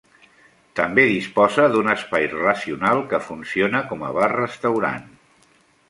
També disposa d'un espai relacional que funciona com a bar restaurant.